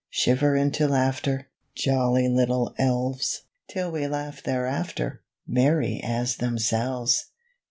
Shiver into laughter, Jolly little elves! Till we laugh thereafter, Merry as themselves!